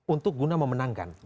untuk guna memenangkan